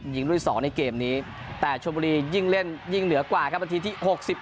รุ่น๒ในเกมนี้แต่ชมบุรียิ่งเล่นยิ่งเหนือกว่าครับนาทีที่๖๑